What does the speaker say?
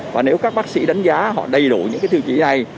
và nếu các bác sĩ đánh giá họ đầy đủ những cái tiêu chí này